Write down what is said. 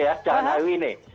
jangan hari ini